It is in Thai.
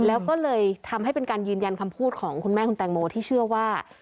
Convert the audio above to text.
แล้วก็เลยทำให้เป็นการยืนยันคำพูดของคุณแม่คุณแตงโมที่เชื่อว่า